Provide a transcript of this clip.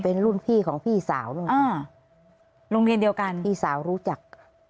เป็นรุ่นพี่ของพี่สาวโรงเรียนเดียวกันพี่สาวรู้จัก